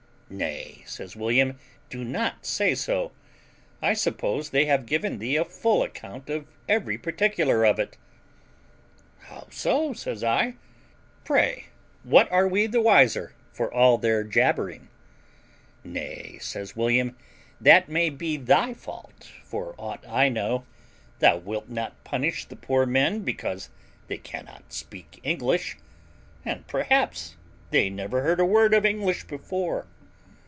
"Nay," says William, "do not say so; I suppose they have given thee a full account of every particular of it." "How so?" says I; "pray what are we the wiser for all their jabbering?" "Nay," says William, "that may be thy fault, for aught I know; thou wilt not punish the poor men because they cannot speak English; and perhaps they never heard a word of English before.